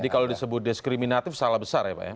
jadi kalau disebut diskriminatif salah besar ya pak ya